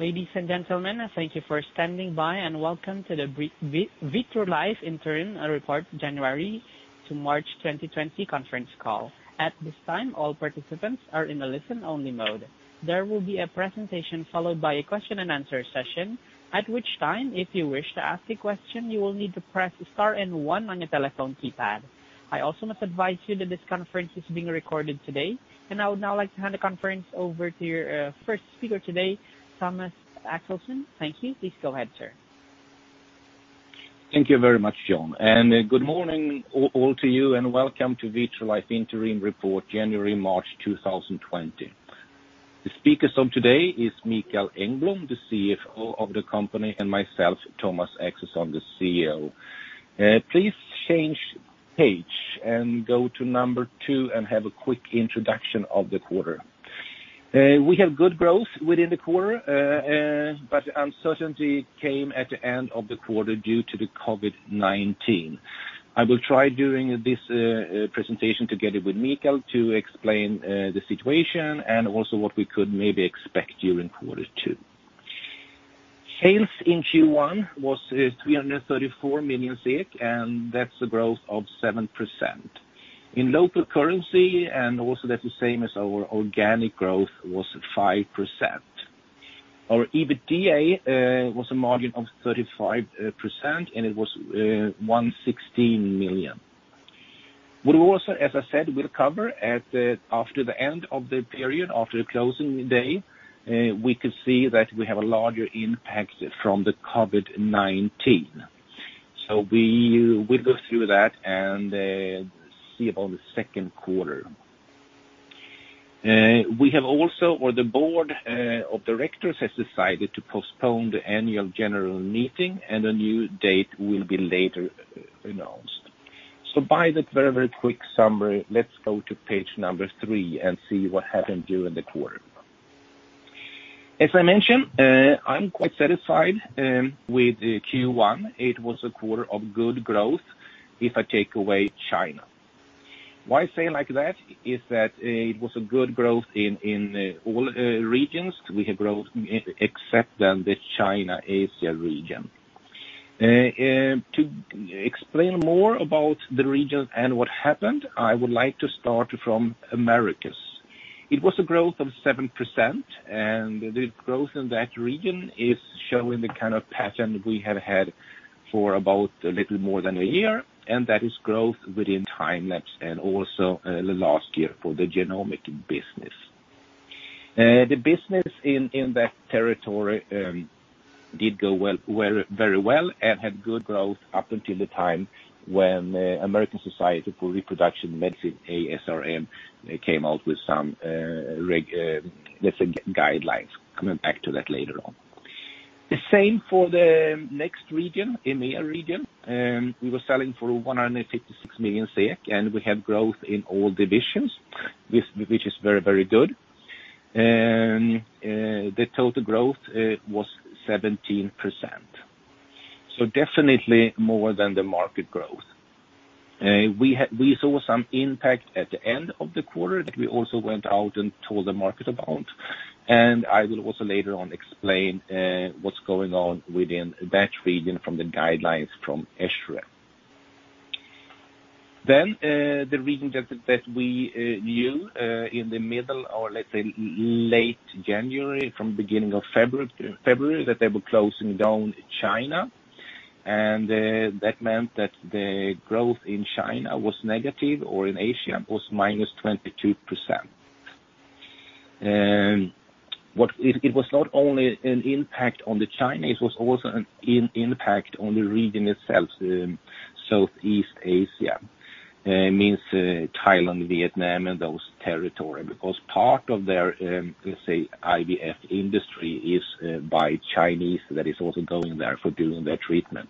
Ladies and gentlemen, thank you for standing by, and welcome to the Vitrolife Interim Report January to March 2020 conference call. At this time, all participants are in a listen-only mode. There will be a presentation followed by a question-and-answer session, at which time, if you wish to ask a question, you will need to press star and one on your telephone keypad. I also must advise you that this conference is being recorded today. I would now like to hand the conference over to your first speaker today, Thomas Axelsson. Thank you. Please go ahead, sir. Thank you very much, John. Good morning all to you. Welcome to Vitrolife Interim Report January-March 2020. The speakers of today is Mikael Engblom, the CFO of the company, and myself, Thomas Axelsson, the CEO. Please change page and go to number two and have a quick introduction of the quarter. We have good growth within the quarter. Uncertainty came at the end of the quarter due to the COVID-19. I will try doing this presentation together with Mikael to explain the situation and also what we could maybe expect during quarter two. Sales in Q1 was 334 million SEK. That's a growth of 7%. In local currency. Also that's the same as our organic growth, was 5%. Our EBITDA was a margin of 35%. It was 116 million. What we also, as I said, will cover after the end of the period, after the closing day, we could see that we have a larger impact from the COVID-19. We will go through that and see about the second quarter. The board of directors has decided to postpone the annual general meeting, and a new date will be later announced. By that very, very quick summary, let's go to page number three and see what happened during the quarter. As I mentioned, I'm quite satisfied with Q1. It was a quarter of good growth if I take away China. Why say like that? Is that it was a good growth in all regions. We have growth except in the China-Asia region. To explain more about the region and what happened, I would like to start from Americas. It was a growth of 7%. The growth in that region is showing the kind of pattern we have had for about a little more than a year, and that is growth within Time-lapse and also the last year for the genomic business. The business in that territory did go very well and had good growth up until the time when American Society for Reproductive Medicine, ASRM, came out with some guidelines. Coming back to that later on. The same for the next region, EMEA region. We were selling for 156 million SEK. We had growth in all divisions, which is very good. The total growth was 17%. Definitely more than the market growth. We saw some impact at the end of the quarter that we also went out and told the market about. I will also later on explain what's going on within that region from the guidelines from ESHRE. The region that we knew in the middle or, let's say, late January, from beginning of February, that they were closing down China. That meant that the growth in China was negative, or in Asia, was -22%. It was not only an impact on the Chinese, it was also an impact on the region itself, Southeast Asia. Means Thailand, Vietnam, and those territory, because part of their IVF industry is by Chinese that is also going there for doing their treatment.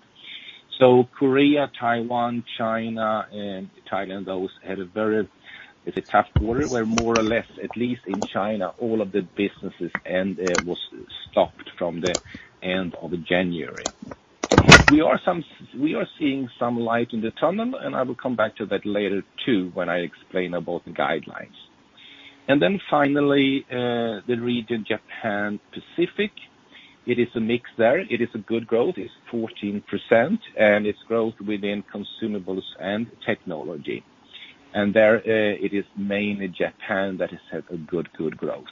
Korea, Taiwan, China, and Thailand, those had a very, it's a tough quarter, where more or less, at least in China, all of the businesses was stopped from the end of January. We are seeing some light in the tunnel, and I will come back to that later too when I explain about the guidelines. Finally, the region Japan Pacific. It is a mix there. It is a good growth. It's 14%, and it's growth within consumables and technology. There it is mainly Japan that has had a good growth.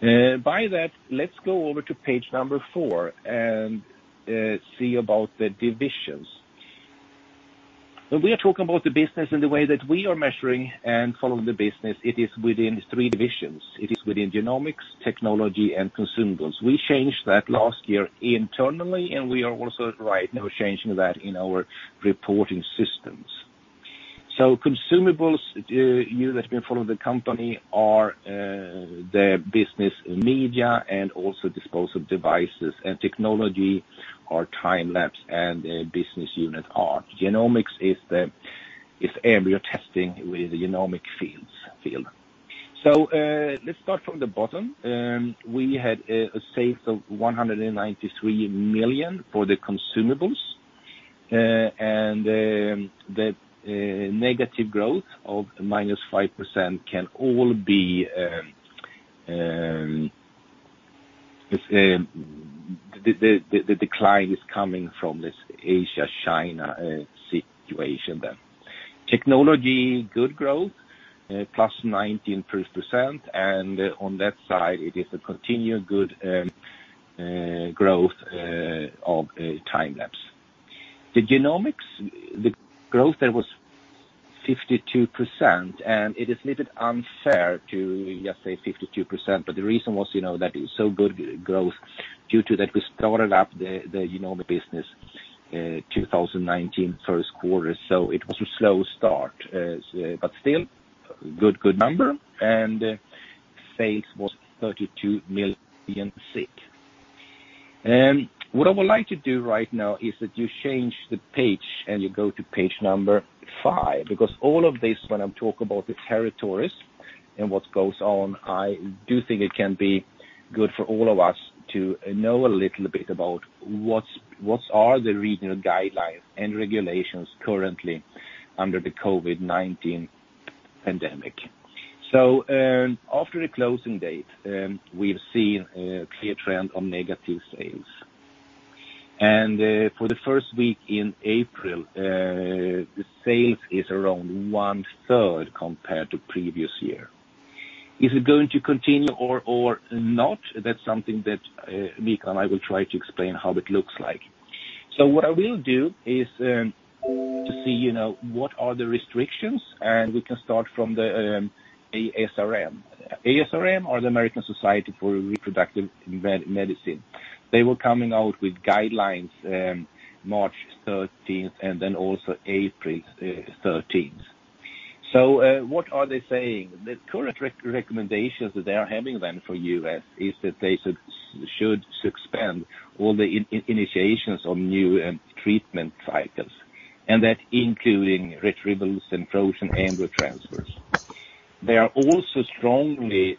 By that, let's go over to page number four and see about the divisions. When we are talking about the business in the way that we are measuring and following the business, it is within three divisions. It is within genomics, technology, and consumables. We changed that last year internally, and we are also right now changing that in our reporting systems. Consumables, you that have been following the company are the business media and also disposal devices. Technology are Time-lapse and Business Unit ART. Genomics is embryo testing with the genomic field. Let's start from the bottom. We had a sales of 193 million for the consumables. The negative growth of -5% the decline is coming from this Asia, China situation there. Technology, good growth, +19%. On that side, it is a continued good growth of Time-lapse. The genomics, the growth there was 52%. It is a little unfair to just say 52%. The reason was that it's so good growth due to that we started up the genomics business 2019 first quarter. It was a slow start. Still, good number. Sales was 32 million. What I would like to do right now is that you change the page and you go to page number five, because all of this, when I talk about the territories and what goes on, I do think it can be good for all of us to know a little bit about what are the regional guidelines and regulations currently under the COVID-19 pandemic. After the closing date, we've seen a clear trend on negative sales. For the first week in April, the sales is around one-third compared to previous year. Is it going to continue or not? That's something that Mikael and I will try to explain how it looks like. What I will do is to see what are the restrictions, and we can start from the ASRM. ASRM, or the American Society for Reproductive Medicine. They were coming out with guidelines March 13 and also April 13. What are they saying? The current recommendations that they are having then for U.S. is that they should suspend all the initiations of new treatment cycles, and that including retrievals and frozen embryo transfers. They are also strongly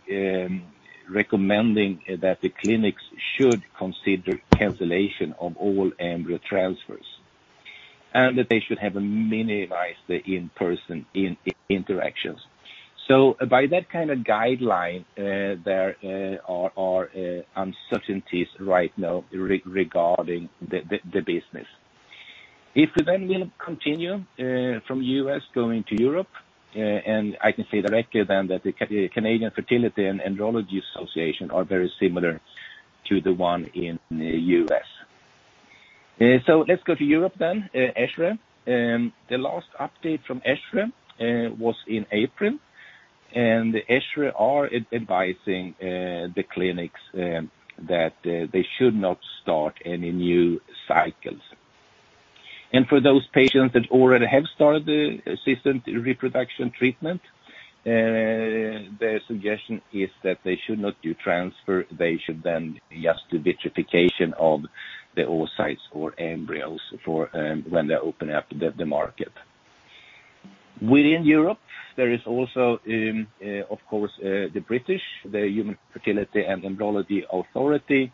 recommending that the clinics should consider cancellation of all embryo transfers, and that they should have minimized the in-person interactions. By that kind of guideline, there are uncertainties right now regarding the business. If we then will continue from U.S. going to Europe, I can say directly then that the Canadian Fertility and Andrology Society are very similar to the one in the U.S. Let's go to Europe then, ESHRE. The last update from ESHRE was in April, ESHRE are advising the clinics that they should not start any new cycles. For those patients that already have started the assisted reproduction treatment, their suggestion is that they should not do transfer. They should then just do vitrification of the oocytes or embryos for when they open up the market. Within Europe, there is also, of course, the British, the Human Fertilisation and Embryology Authority.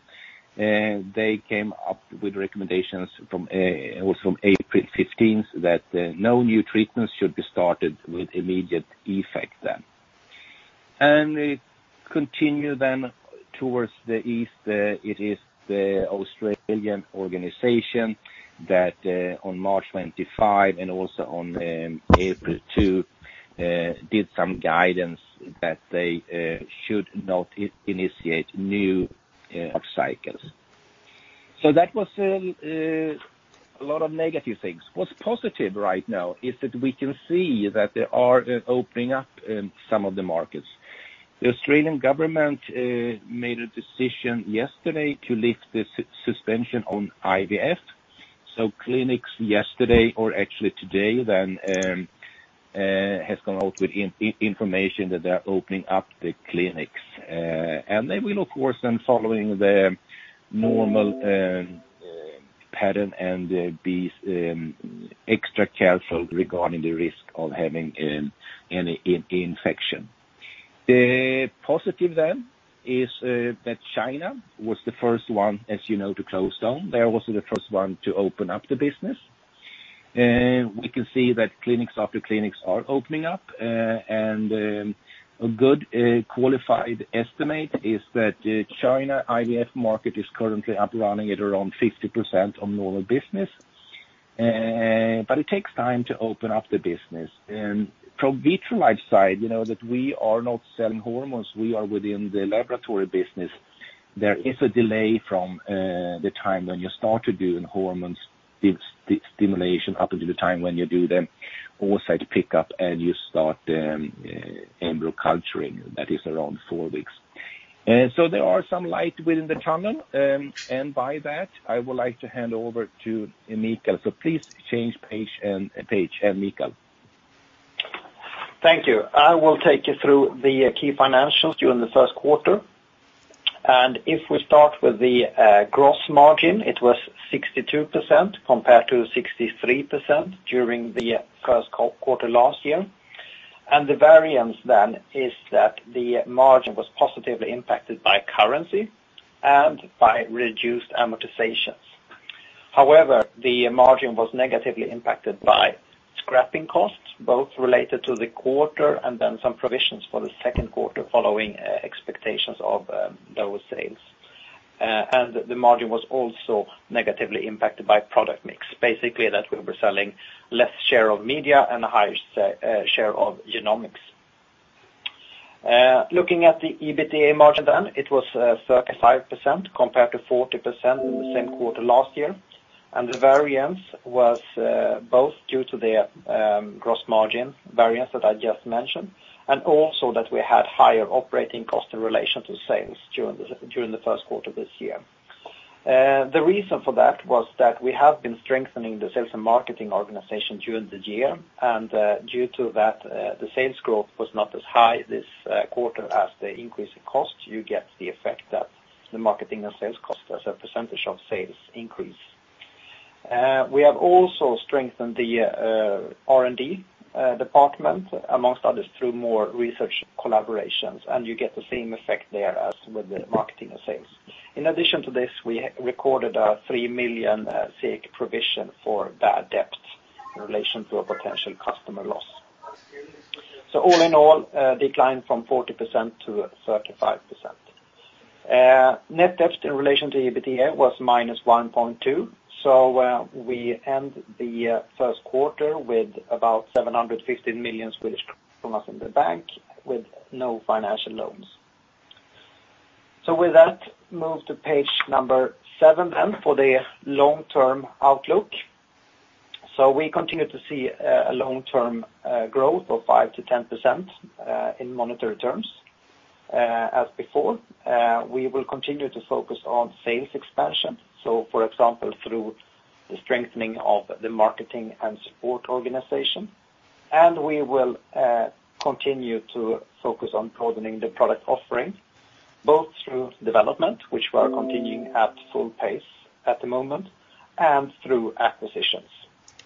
They came up with recommendations from April 15th that no new treatments should be started with immediate effect then. Continue then towards the east, it is the Australian organization that on March 25 and also on April 2 did some guidance that they should not initiate new cycles. That was a lot of negative things. What's positive right now is that we can see that they are opening up some of the markets. The Australian government made a decision yesterday to lift the suspension on IVF. Clinics yesterday, or actually today then, has come out with information that they are opening up the clinics. They will, of course, then following the normal pattern and be extra careful regarding the risk of having any infection. Positive then is that China was the first one, as you know, to close down. They are also the first one to open up the business. We can see that clinics after clinics are opening up, and a good qualified estimate is that China IVF market is currently up running at around 50% of normal business. It takes time to open up the business. From Vitrolife side, that we are not selling hormones. We are within the laboratory business. There is a delay from the time when you start to do hormones stimulation up until the time when you do the oocyte pickup and you start the embryo culturing. That is around four weeks. There are some light within the tunnel, and by that, I would like to hand over to Mikael. Please change page, Mikael. Thank you. I will take you through the key financials during the first quarter. If we start with the gross margin, it was 62% compared to 63% during the first quarter last year. The variance then is that the margin was positively impacted by currency and by reduced amortizations. However, the margin was negatively impacted by scrapping costs, both related to the quarter and then some provisions for the second quarter following expectations of those sales. The margin was also negatively impacted by product mix, basically that we were selling less share of media and a higher share of genomics. Looking at the EBITDA margin then, it was 35% compared to 40% in the same quarter last year. The variance was both due to the gross margin variance that I just mentioned, and also that we had higher operating costs in relation to sales during the first quarter of this year. The reason for that was that we have been strengthening the sales and marketing organization during the year, and due to that, the sales growth was not as high this quarter as the increase in costs, you get the effect that the marketing and sales cost as a percentage of sales increase. We have also strengthened the R&D department, amongst others, through more research collaborations, and you get the same effect there as with the marketing and sales. In addition to this, we recorded a 3 million provision for bad debts in relation to a potential customer loss. All in all, a decline from 40%-35%. Net debts in relation to EBITDA was -1.2. We end the first quarter with about 750 million Swedish kronor in the bank with no financial loans. With that, move to page number seven for the long-term outlook. We continue to see a long-term growth of 5%-10% in monetary terms. As before, we will continue to focus on sales expansion, so for example, through the strengthening of the marketing and support organization. We will continue to focus on broadening the product offering, both through development, which we are continuing at full pace at the moment, and through acquisitions,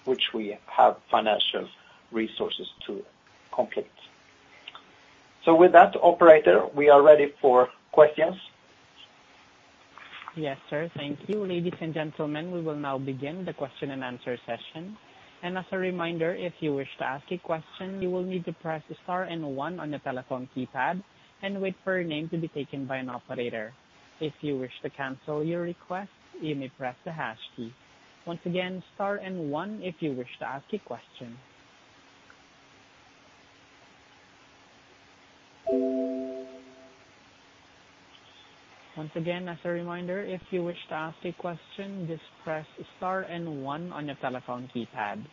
which we have financial resources to complete. With that, operator, we are ready for questions. Yes, sir. Thank you. Ladies and gentlemen, we will now begin the question and answer session. As a reminder, if you wish to ask a question, you will need to press star and one on your telephone keypad and wait for your name to be taken by an operator. If you wish to cancel your request, you may press the hash key. Once again, star and one if you wish to ask a question. Once again, as a reminder, if you wish to ask a question, just press star and one on your telephone keypad.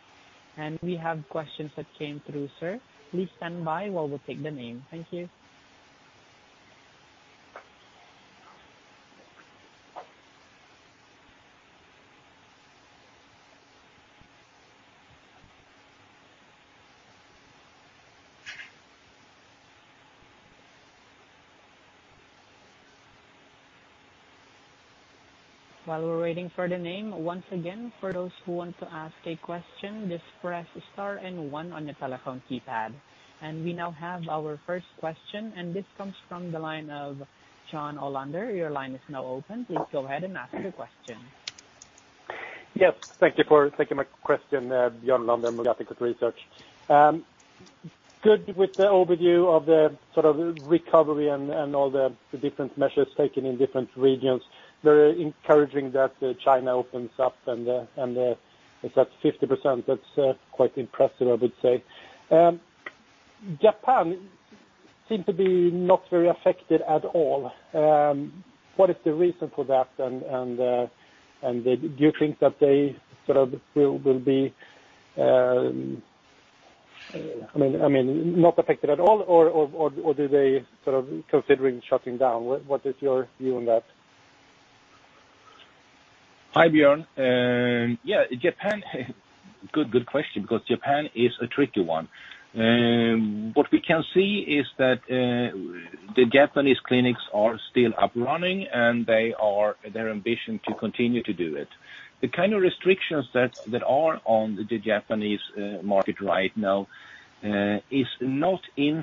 We have questions that came through, sir. Please stand by while we take the name. Thank you. While we're waiting for the name, once again, for those who want to ask a question, just press star and one on your telephone keypad. We now have our first question, and this comes from the line of Björn Olander. Your line is now open. Please go ahead and ask your question. Yes. Thank you for taking my question. Björn Olander, Murgata Equity Research. Good with the overview of the sort of recovery and all the different measures taken in different regions. Very encouraging that China opens up and it is at 50%, that is quite impressive, I would say. Japan seem to be not very affected at all. What is the reason for that? Do you think that they sort of will be, I mean, not affected at all or do they sort of considering shutting down? What is your view on that? Hi, Björn. Yeah, Japan. Good question, because Japan is a tricky one. What we can see is that the Japanese clinics are still up running. Their ambition to continue to do it. The kind of restrictions that are on the Japanese market right now is not impacting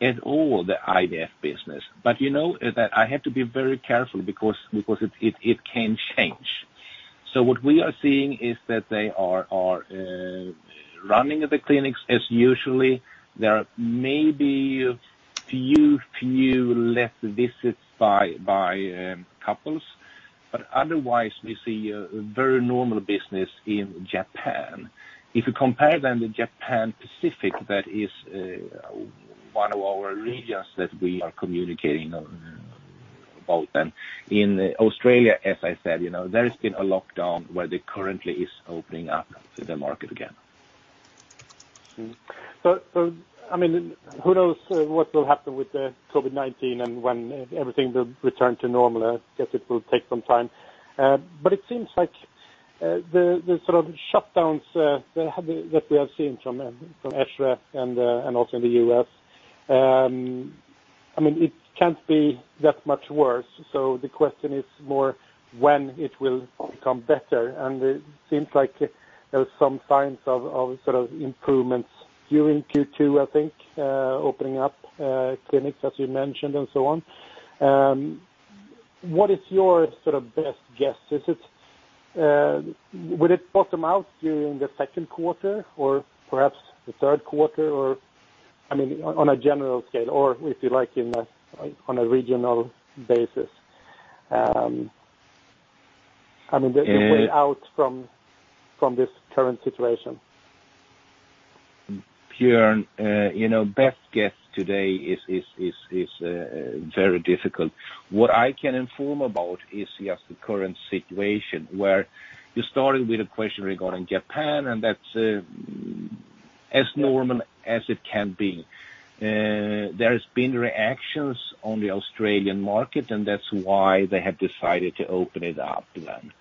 at all the IVF business. You know that I have to be very careful because it can change. What we are seeing is that they are running the clinics as usually. There are maybe few less visits by couples. Otherwise, we see a very normal business in Japan. If you compare the Japan Pacific, that is one of our regions that we are communicating about then. In Australia, as I said, there has been a lockdown where they currently is opening up the market again. I mean, who knows what will happen with the COVID-19 and when everything will return to normal. I guess it will take some time. It seems like the sort of shutdowns that we have seen from ESHRE and also in the U.S. It can't be that much worse. The question is more when it will become better, and it seems like there was some signs of sort of improvements during Q2, I think, opening up clinics as you mentioned and so on. What is your best guess? Will it bottom out during the second quarter or perhaps the third quarter? On a general scale or, if you like, on a regional basis. The way out from this current situation. Björn, best guess today is very difficult. What I can inform about is just the current situation, where you started with a question regarding Japan, and that's as normal as it can be. There has been reactions on the Australian market, and that's why they have decided to open it up then.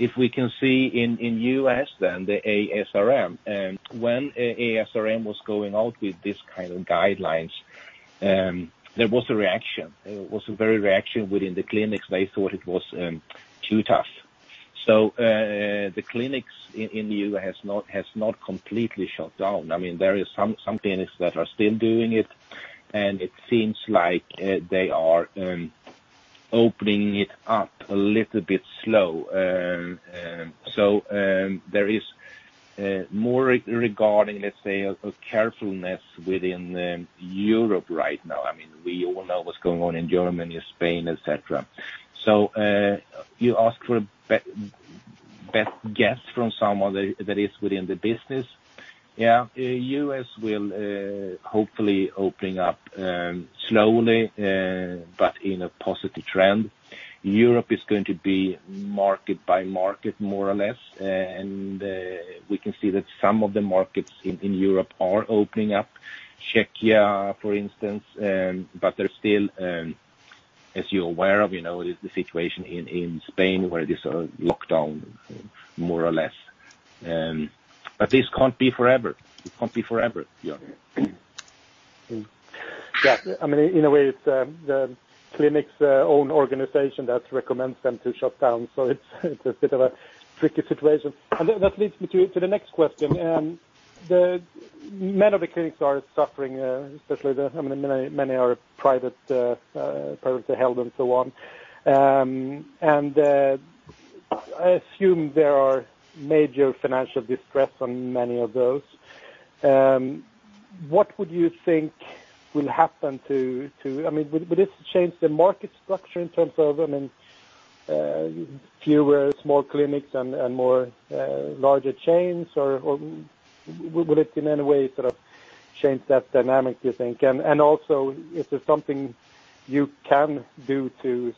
If we can see in U.S., then the ASRM, when ASRM was going out with this kind of guidelines, there was a reaction. It was a very reaction within the clinics. They thought it was too tough. The clinics in the U.S. has not completely shut down. There is some clinics that are still doing it, and it seems like they are opening it up a little bit slow. There is more regarding, let's say, a carefulness within Europe right now. We all know what's going on in Germany, Spain, et cetera. You ask for a best guess from someone that is within the business. Yeah, U.S. will hopefully opening up slowly, but in a positive trend. Europe is going to be market by market, more or less. We can see that some of the markets in Europe are opening up, Czechia, for instance. There's still, as you're aware of, the situation in Spain where it is lockdown, more or less. This can't be forever, Björn. Yeah. In a way, it's the clinic's own organization that recommends them to shut down. It's a bit of a tricky situation. That leads me to the next question. Many of the clinics are suffering, especially many are private health and so on. I assume there are major financial distress on many of those. What would you think will happen? Will this change the market structure in terms of fewer small clinics and more larger chains, or will it in any way sort of change that dynamic, you think? Also, is there something you can do to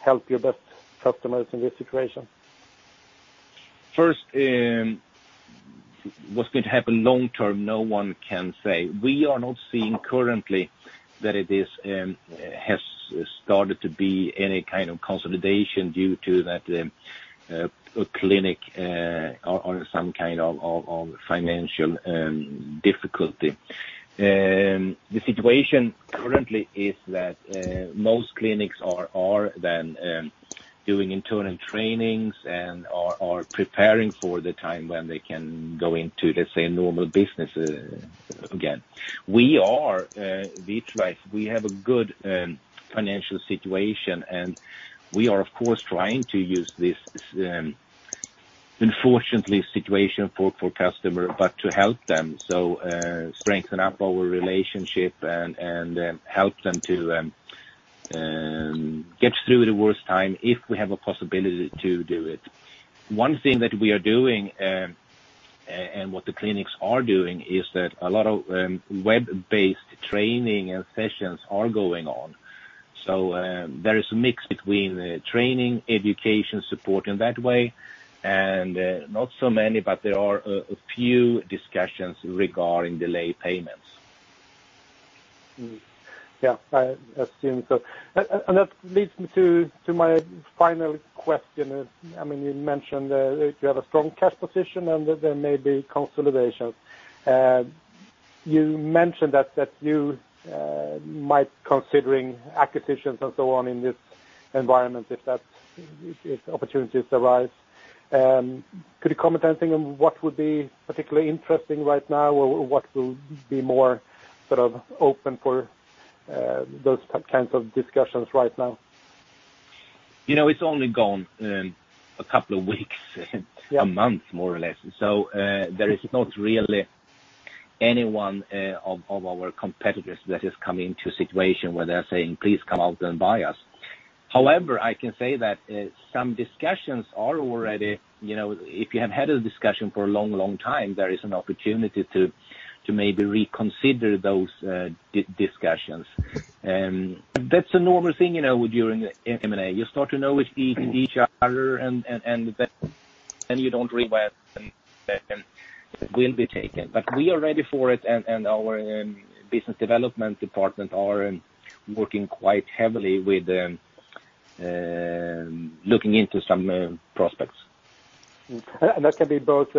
help your best customers in this situation? First, what's going to happen long term, no one can say. We are not seeing currently that it has started to be any kind of consolidation due to that a clinic are in some kind of financial difficulty. The situation currently is that most clinics are then doing internal trainings and are preparing for the time when they can go into, let's say, normal business again. We are, Vitrolife, we have a good financial situation, and we are, of course, trying to use this, unfortunately, situation for customer, but to help them. Strengthen up our relationship and help them to get through the worst time if we have a possibility to do it. One thing that we are doing, and what the clinics are doing, is that a lot of web-based training and sessions are going on. There is a mix between training, education, support in that way, and not so many, but there are a few discussions regarding delay payments. Yeah. I assume so. That leads me to my final question. You mentioned that you have a strong cash position, and that there may be consolidations. You mentioned that you might considering acquisitions and so on in this environment if opportunities arise. Could you comment anything on what would be particularly interesting right now, or what will be more sort of open for those kinds of discussions right now? It's only gone a couple of weeks. Yeah. A month, more or less. There is not really anyone of our competitors that has come into a situation where they're saying, please come out and buy us. However, I can say that some discussions are already, if you have had a discussion for a long time, there is an opportunity to maybe reconsider those discussions. That's a normal thing, during M&A. You start to know each other and then you don't regret and will be taken. We are ready for it, and our business development department are working quite heavily with looking into some prospects. That can be both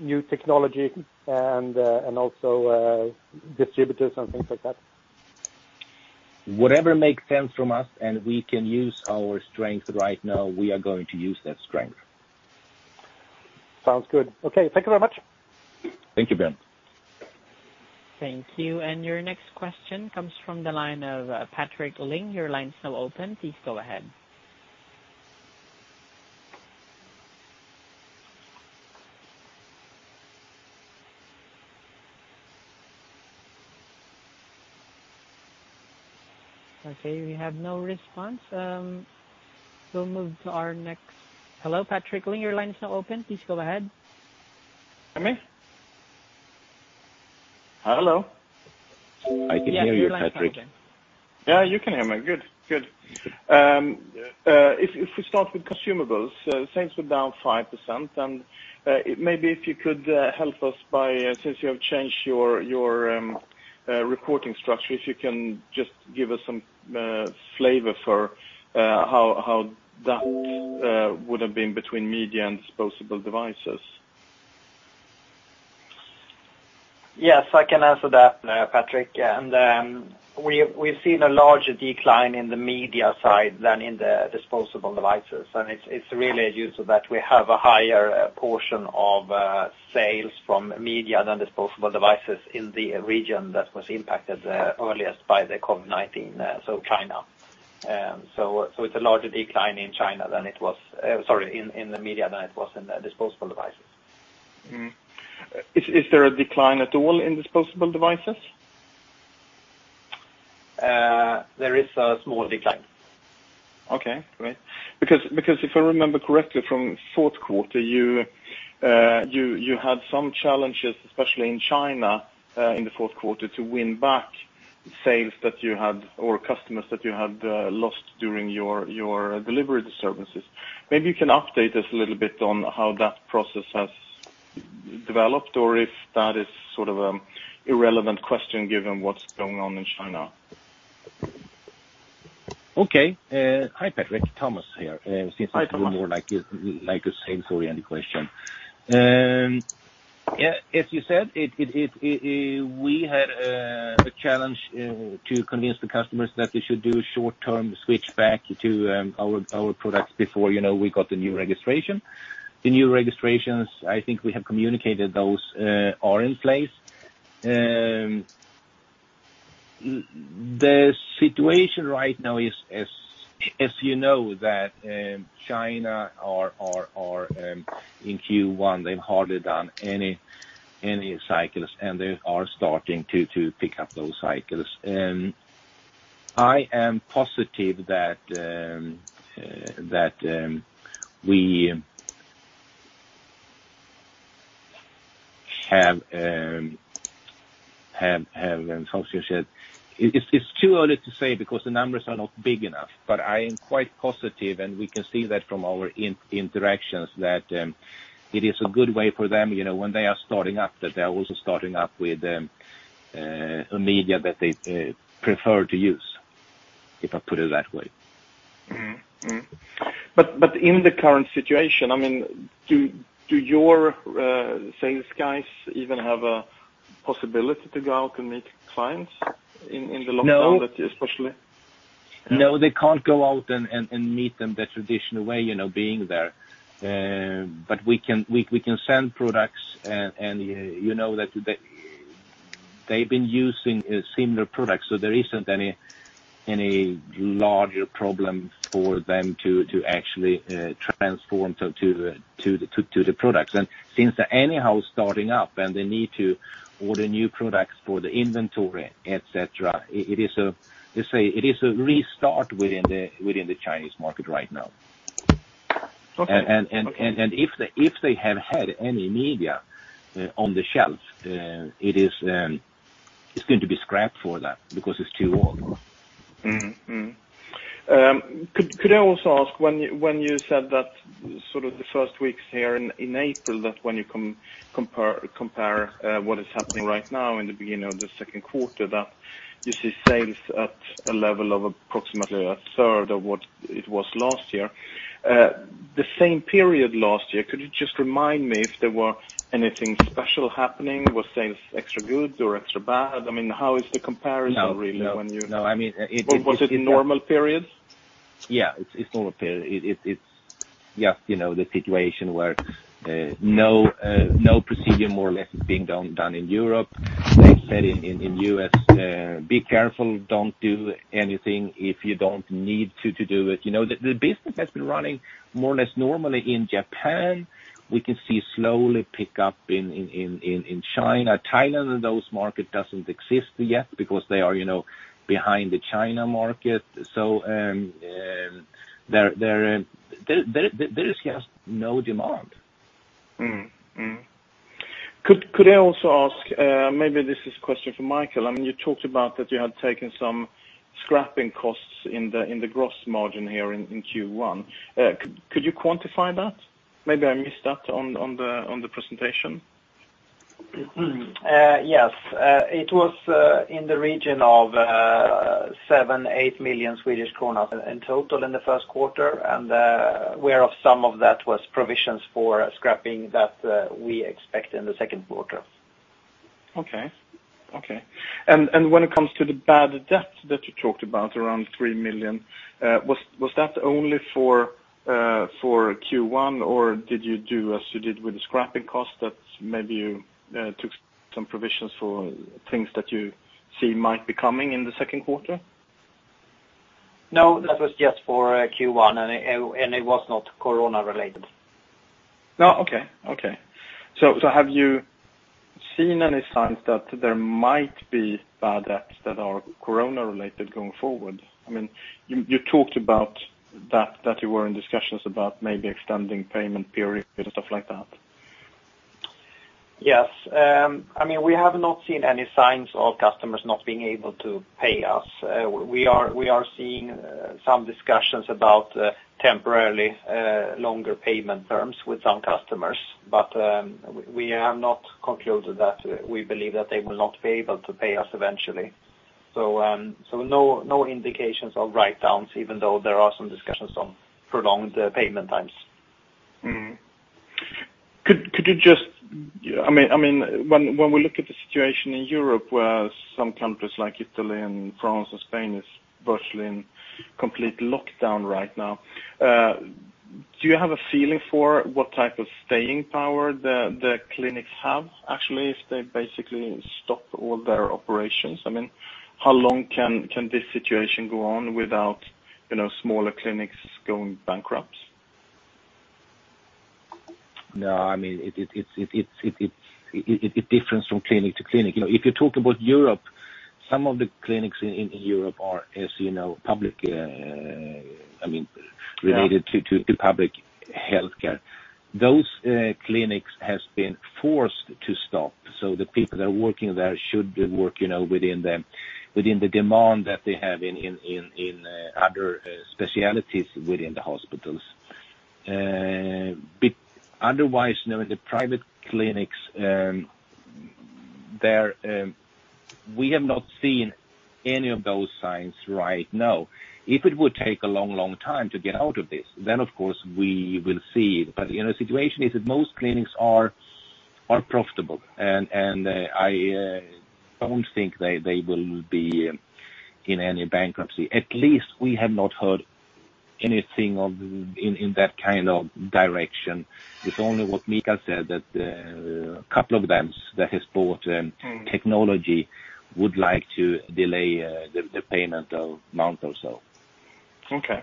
new technology and also distributors and things like that? Whatever makes sense from us, and we can use our strength right now, we are going to use that strength. Sounds good. Okay, thank you very much. Thank you, Björn. Thank you. Your next question comes from the line of Patrik Ling. Your line is now open. Please go ahead. Okay, we have no response. Hello, Patrik Ling, your line is now open. Please go ahead. Can you hear me? Hello. I can hear you, Patrik. Yeah, you can hear me. Good. If we start with consumables, sales were down 5%. Maybe if you could help us by, since you have changed your reporting structure, if you can just give us some flavor for how that would've been between media and disposable devices. Yes, I can answer that, Patrik. We've seen a larger decline in the media side than in the disposable devices. It's really due to that we have a higher portion of sales from media than disposable devices in the region that was impacted earliest by the COVID-19, so China. It's a larger decline in China than it was, sorry, in the media than it was in the disposable devices. Is there a decline at all in disposable devices? There is a small decline. Okay, great. If I remember correctly from fourth quarter, you had some challenges, especially in China, in the fourth quarter to win back sales that you had or customers that you had lost during your delivery disturbances. Maybe you can update us a little bit on how that process has developed or if that is sort of an irrelevant question given what's going on in China. Okay. Hi, Patrik. Thomas here. Hi, Thomas. Since I'm more likely to say it for any question. Yeah, as you said, we had a challenge to convince the customers that they should do a short-term switch back to our products before we got the new registration. The new registrations, I think we have communicated those are in place. The situation right now is, as you know, that China are in Q1, they've hardly done any cycles, and they are starting to pick up those cycles. I am positive that we have, how should I share? It's too early to say because the numbers are not big enough, but I am quite positive, and we can see that from our interactions, that it is a good way for them, when they are starting up, that they are also starting up with a media that they prefer to use, if I put it that way. In the current situation, do your sales guys even have a possibility to go out and meet clients in the lockdown? No. Especially? No, they can't go out and meet them the traditional way, being there. We can send products and you know that they've been using similar products, so there isn't any larger problem for them to actually transform to the products. Since they're anyhow starting up and they need to order new products for the inventory, et cetera, it is a restart within the Chinese market right now. Okay. If they have had any media on the shelf, it's going to be scrapped for that because it's too old. Could I also ask, when you said that sort of the first weeks here in April, that when you compare what is happening right now in the beginning of the second quarter, that you see sales at a level of approximately a third of what it was last year. The same period last year, could you just remind me if there were anything special happening? Was sales extra good or extra bad? How is the comparison really when you? No. Was it a normal period? Yeah, it's normal period. It's just the situation where no procedure more or less is being done in Europe. They said in U.S., be careful, don't do anything if you don't need to do it. The business has been running more or less normally in Japan. We can see slowly pick up in China. Thailand, those market doesn't exist yet because they are behind the China market. There is just no demand. Could I also ask, maybe this is a question for Mikael. You talked about that you had taken some scrapping costs in the gross margin here in Q1. Could you quantify that? Maybe I missed that on the presentation. Yes. It was in the region of 7 million-8 million Swedish kronor in total in the first quarter, and whereof some of that was provisions for scrapping that we expect in the second quarter. Okay. When it comes to the bad debt that you talked about, around 3 million, was that only for Q1, or did you do as you did with the scrapping cost, that maybe you took some provisions for things that you see might be coming in the second quarter? No, that was just for Q1, and it was not Corona related. Okay. Have you seen any signs that there might be bad debts that are corona related going forward? You talked about that you were in discussions about maybe extending payment periods and stuff like that. Yes. We have not seen any signs of customers not being able to pay us. We are seeing some discussions about temporarily longer payment terms with some customers. We have not concluded that we believe that they will not be able to pay us eventually. No indications of writedowns, even though there are some discussions on prolonged payment times. When we look at the situation in Europe, where some countries like Italy and France and Spain is virtually in complete lockdown right now, do you have a feeling for what type of staying power the clinics have actually, if they basically stop all their operations? How long can this situation go on without smaller clinics going bankrupt? No, it differs from clinic to clinic. If you talk about Europe, some of the clinics in Europe are, as you know, related to public healthcare. Those clinics has been forced to stop. The people that are working there should work within the demand that they have in other specialties within the hospitals. Otherwise, the private clinics, we have not seen any of those signs right now. If it would take a long time to get out of this, then of course we will see. The situation is that most clinics are profitable, and I don't think they will be in any bankruptcy. At least we have not heard anything in that kind of direction. It's only what Mikael said, that a couple of them that has bought technology would like to delay the payment a month or so. Okay.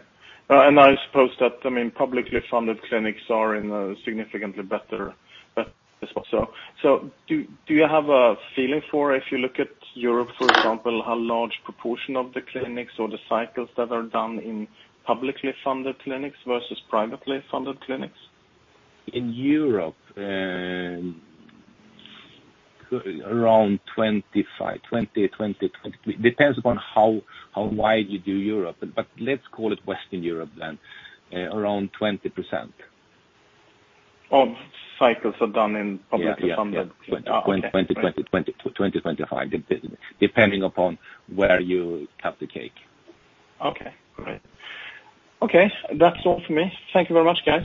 I suppose that publicly funded clinics are in a significantly better position. Do you have a feeling for, if you look at Europe, for example, how large proportion of the clinics or the cycles that are done in publicly funded clinics versus privately funded clinics? In Europe, around 20%-25%. Depends upon how wide you do Europe, but let's call it Western Europe then. Around 20%. Of cycles are done in publicly funded. Yeah. Okay. 20, 25, depending upon where you cut the cake. Okay, great. Okay, that's all for me. Thank you very much, guys.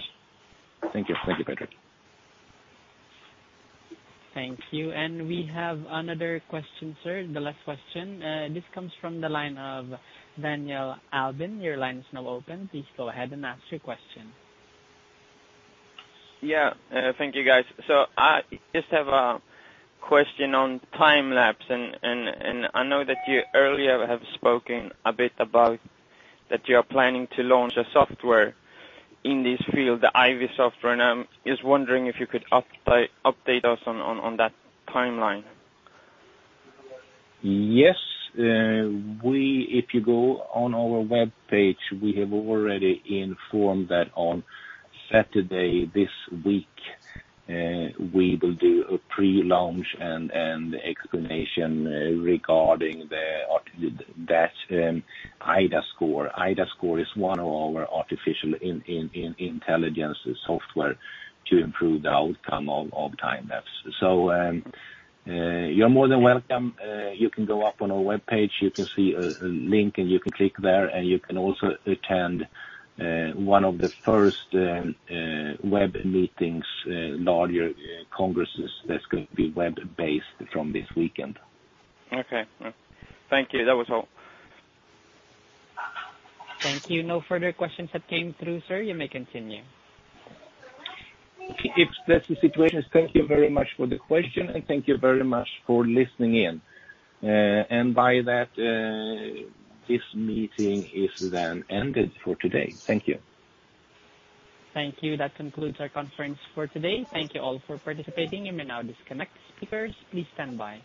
Thank you, Patrick. Thank you. We have another question, sir, the last question. This comes from the line of Daniel Albin. Your line is now open, please go ahead and ask your question. Yeah. Thank you, guys. I just have a question on Time-lapse, and I know that you earlier have spoken a bit about that you are planning to launch a software in this field, the iDAScore software, and I'm just wondering if you could update us on that timeline. Yes. If you go on our webpage, we have already informed that on Saturday this week, we will do a pre-launch and explanation regarding that iDAScore. iDAScore is one of our artificial intelligence software to improve the outcome of Time-lapse. You're more than welcome. You can go up on our webpage, you can see a link, and you can click there, and you can also attend one of the first web meetings, larger congresses that's going to be web-based from this weekend. Okay. Thank you. That was all. Thank you. No further questions have come through, sir. You may continue. If that's the situation, thank you very much for the question, and thank you very much for listening in. By that, this meeting is then ended for today. Thank you. Thank you. That concludes our conference for today. Thank you all for participating. You may now disconnect. Speakers, please stand by.